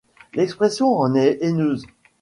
L’expression en est haineuse.